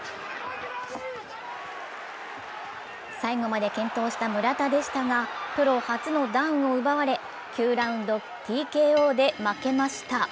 最後まで健闘した村田でしたがプロ初のダウンを奪われ９ラウンドＴＫＯで負けました。